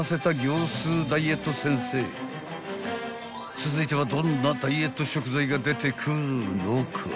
［続いてはどんなダイエット食材が出てくるのか］